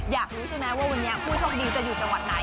อยากรู้ใช่ไหมว่าวันนี้ผู้โชคดีจะอยู่จังหวัดไหน